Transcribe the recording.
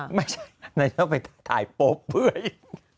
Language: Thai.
นางจะไปถ่ายโปปก่อน